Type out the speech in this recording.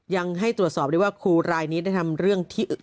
ยังให้ตรวจสอบได้ว่าครูรายนี้ได้ทำเรื่องที่อึก